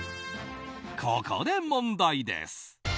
ここで問題です！